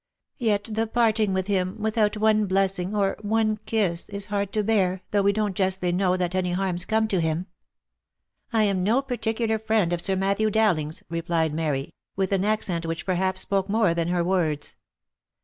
Yet the parting with him with out one blessing, or one kiss, is hard to bear, though we don't justly know that any harm's to come to him." " I am no particular friend of Sir Matthew Dowling's," replied Mary, with an accent which perhaps spoke more than her words.